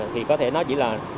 thì có thể nó chỉ là